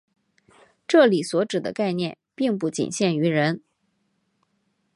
这里所指的概念并不仅限于人。